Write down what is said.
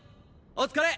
お疲れ！